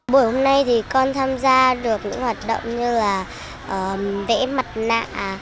buổi hôm nay thì con tham gia được những hoạt động như là vẽ mặt nạ